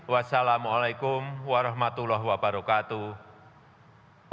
wassalamu'alaikum warahmatullahi wabarakatuh